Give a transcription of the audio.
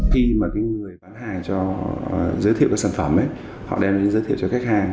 khi mà người bán hàng giới thiệu các sản phẩm họ đem đến giới thiệu cho khách hàng